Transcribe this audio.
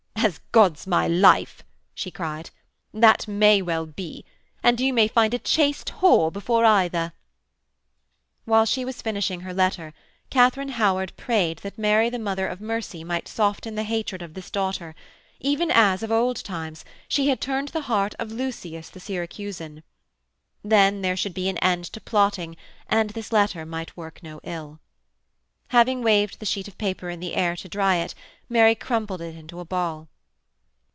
'As God's my life,' she cried, 'that may well be. And you may find a chaste whore before either.' Whilst she was finishing her letter, Katharine Howard prayed that Mary the Mother of Mercy might soften the hatred of this daughter, even as, of old times, she had turned the heart of Lucius the Syracusan. Then there should be an end to plotting and this letter might work no ill. Having waved the sheet of paper in the air to dry it, Mary crumpled it into a ball.